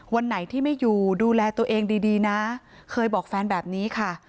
วันไหนที่ไม่อยู่ดูแลตัวเองดีดีนะเคยบอกแฟนแบบนี้ค่ะ